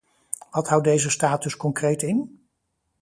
Wat houdt deze status concreet in?